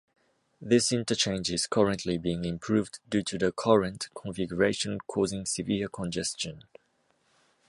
This interchange is currently being improved due to the current configuration causing severe congestion.